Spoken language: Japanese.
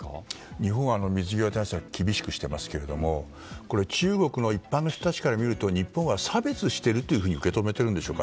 日本は水際対策厳しくしていますが中国の一般の人たちから見ると日本は差別していると受け止めているんでしょうか。